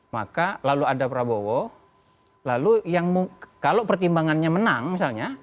maka lalu ada pranowo lalu kalau pertimbangannya menang misalnya